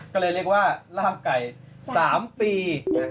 ก็เลยเรียกว่าร่ามไก่๓ปี